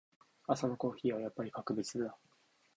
朝のコーヒーはやっぱり格別だ。